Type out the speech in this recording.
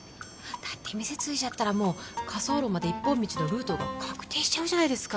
だって店継いじゃったらもう火葬炉まで一本道のルートが確定しちゃうじゃないですか